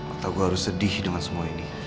atau gue harus sedih dengan semua ini